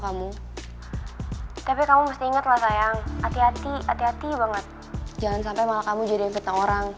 kita belum selesai chandra